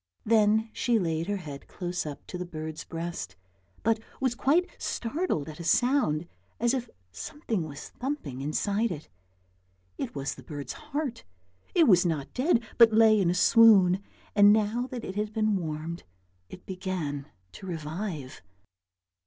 Then she laid her head close up to the bird's breast, but was quite startled at a sound, as if something was thumping inside it. It was the bird's heart. It was not dead but lay in a swoon, and now that it had been warmed it began to revive.